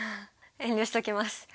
遠慮しときます。